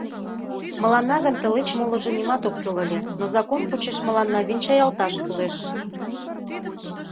Мыланна гын тылеч молыжо нимат ок кӱл ыле, но закон почеш мыланна венчаялташ кӱлеш...